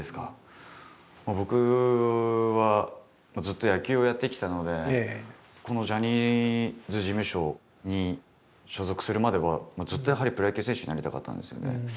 僕はずっと野球をやってきたのでこのジャニーズ事務所に所属するまではずっとやはりプロ野球選手になりたかったんですよね。